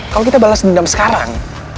kalau kita balas dendam sekarang